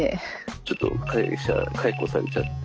ちょっと会社解雇されちゃって。